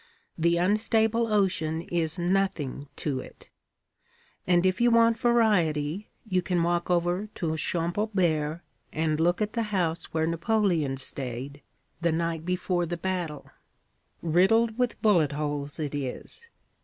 The unstable ocean is nothing to it. And if you want variety, you can walk over to Champaubert and look at the house where Napoleon stayed, the night before the battle. Riddled with bullet holes it is.